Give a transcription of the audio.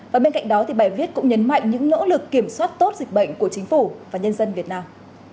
và bên cạnh đó bài viết cũng nhấn mạnh những nỗ lực kiểm soát tốt dịch bệnh của chính phủ và nhân dân việt nam